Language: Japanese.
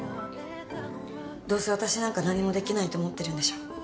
どうせ私なんか何もできないと思ってるんでしょ。